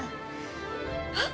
あっ。